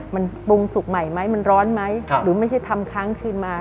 มันปรุงสุกใหม่ไหมมันร้อนไหมหรือไม่ใช่ทำค้างคืนมา